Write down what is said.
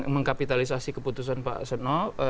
mengkapitalisasi keputusan pak senop